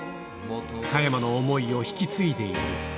加山の想いを引き継いでいる。